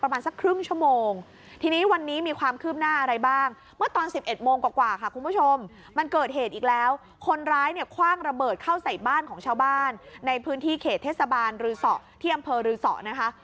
บ้านของชาวบ้านในพื้นที่เขตเทศบาลรือส่อที่อำเภอรือส่อนะคะ